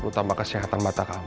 terutama kesehatan mata kamu